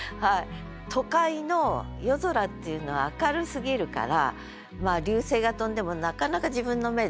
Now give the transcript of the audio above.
都会の夜空っていうのは明るすぎるから流星が飛んでもなかなか自分の目で確認ができないと。